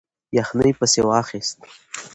یخنۍ پسې واخیست.